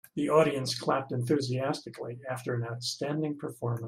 The audience clapped enthusiastically after an outstanding performance.